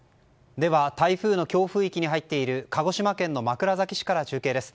では台風の強風域に入っている鹿児島県の枕崎市から中継です。